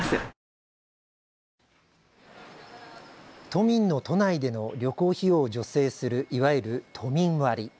都民の都内での旅行費用を助成する、いわゆる都民割。